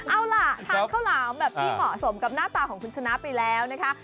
เอาล่ะทานข้าวหลามแบบที่เหมาะสมกับหน้าตาของคุณชนะไปแล้วนะคะ